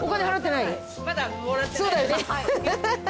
そうだよね。